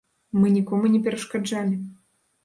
Мы нікому не перашкаджалі.